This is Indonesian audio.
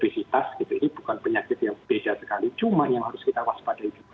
cuma yang harus kita waspadai juga yang mungkin kita tidak boleh takutkan adalah jadi kalau di awal kan ada cerita